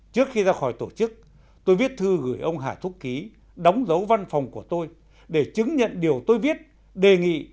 trước khi ra khỏi tổ chức tôi viết thư gửi ông hà thúc ký đóng dấu văn phòng của tôi để chứng nhận điều tôi viết đề nghị